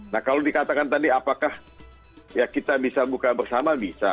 nah kalau dikatakan tadi apakah ya kita bisa buka bersama bisa